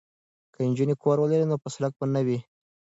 که نجونې کور ولري نو په سړک به نه وي.